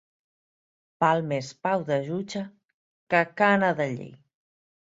Val més pau de jutge que cana de llei.